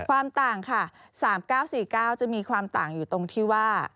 ต่างค่ะ๓๙๔๙จะมีความต่างอยู่ตรงที่ว่า